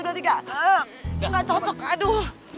nggak cocok aduh